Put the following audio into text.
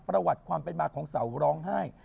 ประวัติความเป็นมาของเสาร้องไห้